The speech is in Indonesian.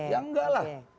ya enggak lah